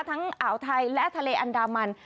อ่าวไทยและทะเลอันดามัน